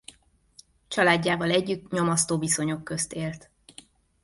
Családjával együtt nyomasztó viszonyok közt élt.